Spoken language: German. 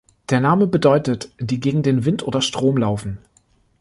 Der Name bedeutet: "Die gegen den Wind oder Strom laufen".